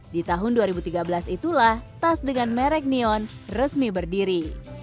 di tahun dua ribu tiga belas itulah tas dengan merek neon resmi berdiri